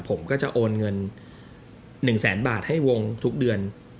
ผมก็จะโอนเงิน๑แสนบาทให้วงทุกเดือน